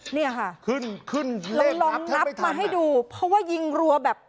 เนี่ยค่ะขึ้นขึ้นเราลองนับมาให้ดูเพราะว่ายิงรัวแบบ